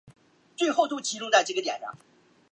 足利站铁路车站。